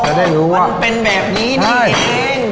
จะได้รู้ว่ามันเป็นแบบนี้นี่เอง